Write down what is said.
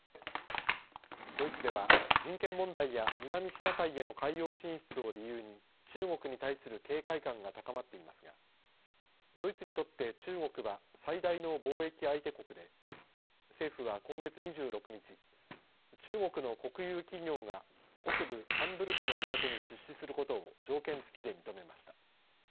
ドイツでは人権問題や南シナ海への海洋進出を理由に中国に対する警戒感が高まっていますがドイツにとっては中国は最大の貿易相手国で政府は今月２６日中国の国有企業が北部ハンブルクの港に出資することを条件付きで認めました。